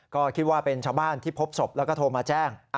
ก็คิดว่าเป็นชาวบ้านที่พบศพแล้วก็โทรมาแจ้ง